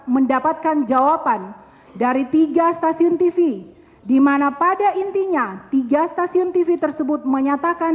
mendapatkan jawaban dari tiga stasiun tv dimana pada intinya tiga stasiun tv tersebut menyatakan